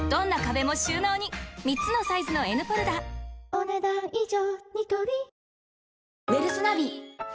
お、ねだん以上。